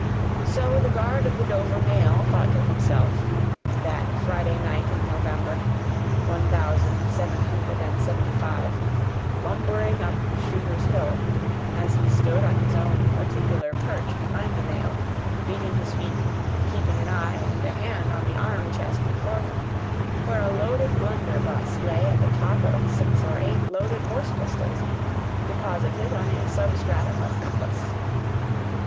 So the guard of the Dover mail thought to himself, that Friday night in November, one thousand seven hundred and seventy five, lumbering up Shooter's Hill, as he stood on his own particular perch behind the mail, beating his feet, and keeping an eye and a hand on the arm chest before him, where a loaded blunderbuss lay at the top of six or eight loaded horse pistols, deposited on a substratum of cutlass.